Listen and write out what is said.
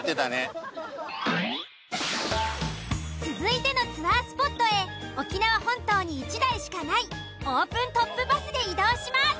続いてのツアースポットへ沖縄本島に１台しかないオープントップバスで移動します。